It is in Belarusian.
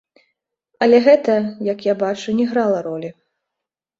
Але гэта, як я бачу, не грала ролі.